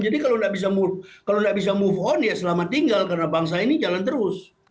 jadi kalau nggak bisa move on ya selamat tinggal karena bangsa ini jalan terus